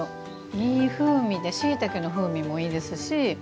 いい風味でしいたけの風味もいいですし。